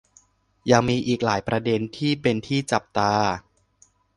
ยังมีอีกหลายประเด็นที่เป็นที่จับตา